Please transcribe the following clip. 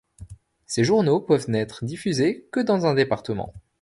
Ces journaux peuvent n'être diffusés que dans un département.